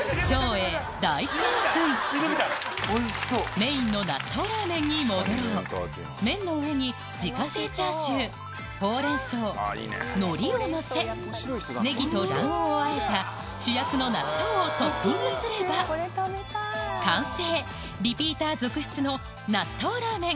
メインの納豆ラーメンに戻ろう麺の上に自家製チャーシューほうれん草のりをのせネギと卵黄をあえた主役の納豆をトッピングすれば完成リピーター続出の納豆ラーメン